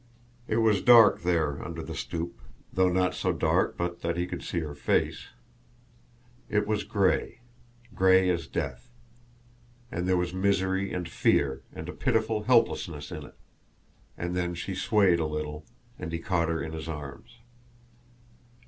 It was dark there under the stoop, though not so dark but that he could see her face. It was gray gray as death. And there was misery and fear and a pitiful helplessness in it and then she swayed a little, and he caught her in his arms.